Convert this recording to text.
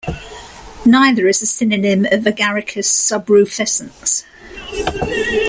Neither is a synonym of "Agaricus subrufescens".